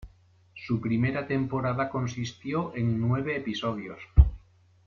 Su primera temporada consistió en nueve episodios.